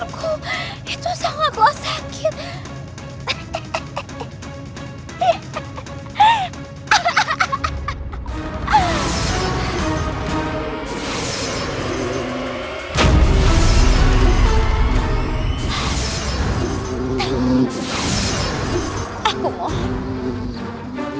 kejarlah dia kawan